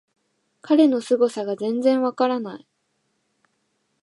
彼のすごさが全然わからない